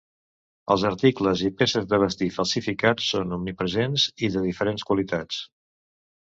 Els articles i peces de vestir falsificats són omnipresents i de diferents qualitats.